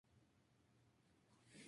Vino en tres ediciones diferentes.